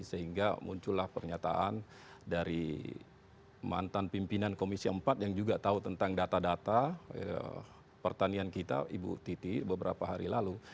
sehingga muncullah pernyataan dari mantan pimpinan komisi empat yang juga tahu tentang data data pertanian kita ibu titi beberapa hari lalu